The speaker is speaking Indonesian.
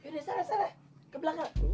yaudah sana sana ke belakang